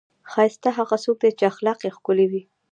ښایسته هغه څوک دی، چې اخلاق یې ښکلي وي.